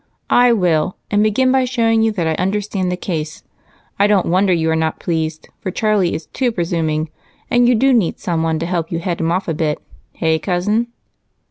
"I will, and begin by showing you that I understand the case. I don't wonder you are not pleased, for Charlie is too presuming, and you do need someone to help you head him off a bit. Hey, Cousin?"